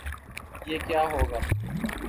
یہ کیا ہو گا؟